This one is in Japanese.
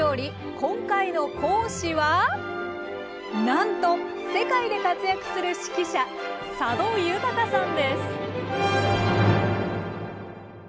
今回の講師はなんと世界で活躍する指揮者佐渡裕さんです。